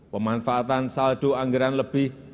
pemanfaatan saldo anggaran lebih